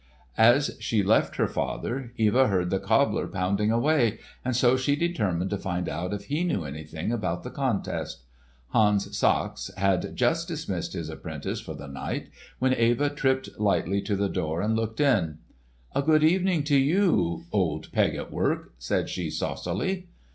As she left her father, Eva heard the cobbler pounding away, and so she determined to find out if he knew anything about the contest. Hans Sachs had just dismissed his apprentice for the night when Eva tripped lightly to the door and looked in. "A good evening to you, old Peg at work," said she saucily.